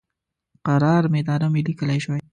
قرار میدارم یې لیکلی شوای.